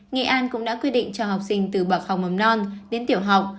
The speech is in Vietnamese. nghệ an cũng đã quy định cho học sinh từ bậc học mầm non đến tiểu học